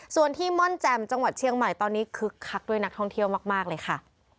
ส่วนที่ม่อนแจ่มจังหวัดเชียงใหม่ตอนนี้คึกคักด้วยนักท่องเที่ยวมากเลยค่ะ